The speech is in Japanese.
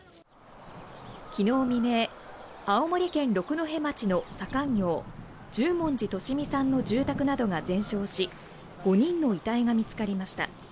昨日未明、青森県六戸町の左官業・十文字利美さんの住宅などが全焼し５人の遺体が見つかりました。